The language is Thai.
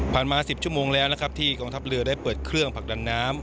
มา๑๐ชั่วโมงแล้วนะครับที่กองทัพเรือได้เปิดเครื่องผลักดันน้ำ